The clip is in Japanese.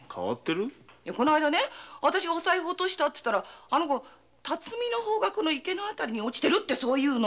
この間私がお財布落としたらあの娘「辰巳の方角の池の辺りに落ちてる」って言うの。